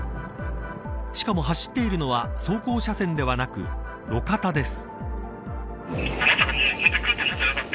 しかも走っているのは走行車線ではなく路肩です。